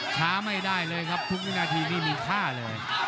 ช้าไม่ได้เลยครับทุกวินาทีนี่มีค่าเลย